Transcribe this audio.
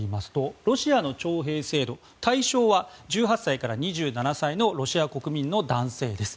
ロシアの徴兵制度対象は１８歳から２７歳のロシア国民の男性です。